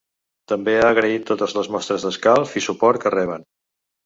També ha agraït ‘totes les mostres d’escalf i suport’ que reben.